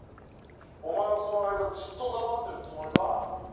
「お前はその間ずっと黙ってるつもりか？」